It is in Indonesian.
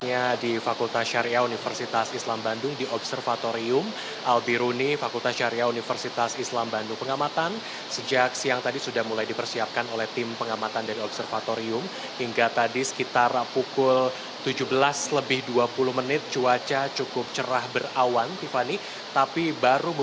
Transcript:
ya tiffany selamat sore